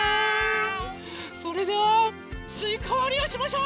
それではすいかわりをしましょう！